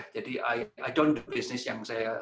jadi saya tidak melakukan bisnis yang saya